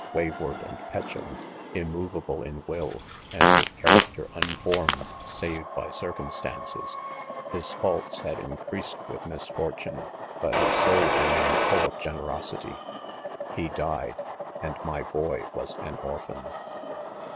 Wayward and petulant, immove able in. will, and with character unformed, save by circumstances, his faults' had increased with, misfortune, ; but his soul remained full of generosity. He died, and rny boy was an or phan.